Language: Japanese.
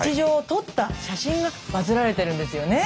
撮った写真がバズられてるんですよね。